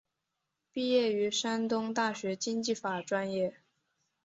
毕业于山东大学经济法专业。